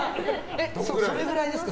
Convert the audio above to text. それくらいですか？